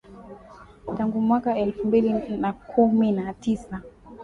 tangu mwaka elfu mbili na kumi na tisa